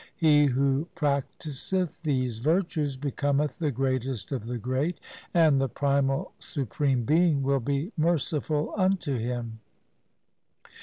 He who practiseth these virtues becometh the greatest of the great, and the primal supreme Being will be merciful unto him.